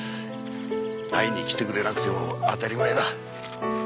会いに来てくれなくても当たり前だ。